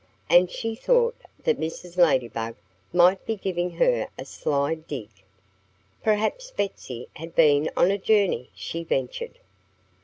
And she thought that Mrs. Ladybug might be giving her a sly dig. "Perhaps Betsy had been on a journey," she ventured.